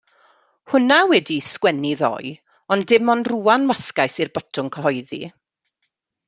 Hwnna wedi'i sgwennu ddoe ond dim ond rŵan wasgais i'r botwm cyhoeddi.